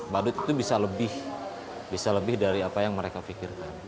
badut itu bisa lebih dari apa yang mereka pikirkan